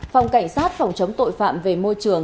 phòng cảnh sát phòng chống tội phạm về môi trường